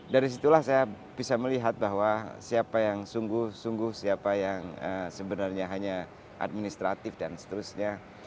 dari situlah saya bisa melihat bahwa siapa yang sungguh sungguh siapa yang sebenarnya hanya administratif dan seterusnya